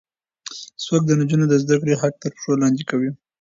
څوک د نجونو د زده کړې حق تر پښو لاندې کوي؟